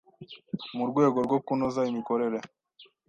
Mu rwego rwo kunoza imikorere